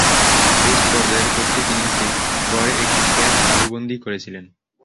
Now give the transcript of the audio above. Test পর্যায়ের প্রত্যেক ইনিংসেই গড়ে একটি ক্যাচ তালুবন্দী করেছিলেন।